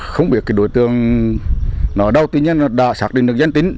không biết đối tượng ở đâu tuy nhiên đã xác định được gian tính